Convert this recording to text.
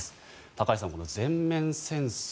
高橋さん、この全面戦争